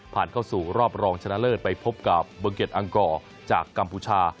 เข้าสู่รอบรองชนะเลิศไปพบกับเบิงเกตอังกอร์จากกัมพูชา